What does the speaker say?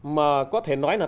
mà có thể nói là